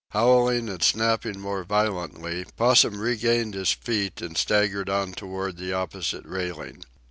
Howling and snapping more violently, Possum regained his feet and staggered on toward the opposite railing.